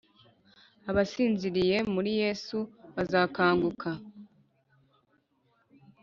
Abasinziriye muri Yesu bazakanguka,